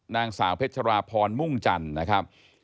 นางสาวเพชราพรมุ่งจันทร์นะครับ